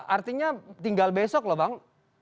artinya tinggal besok loh bang